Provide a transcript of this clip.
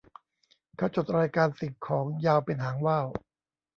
เขาจดรายการสิ่งของยาวเป็นหางว่าว